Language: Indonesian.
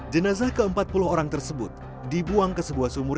jenazah ke empat puluh orang tersebut dibuang ke sebuah sumur